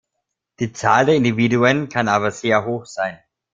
Die Zahl der Individuen kann aber sehr hoch sein.